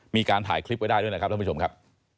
มีการถ่ายคลิปไว้ได้ด้วยนะครับท่านผู้ชมครับ